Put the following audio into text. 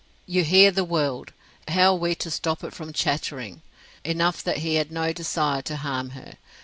You hear the world? How are we to stop it from chattering? Enough that he had no desire to harm her.